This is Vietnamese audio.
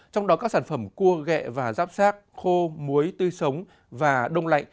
trong đó các sản phẩm cua gẹ và giáp sác khô muối tươi sống và đông lái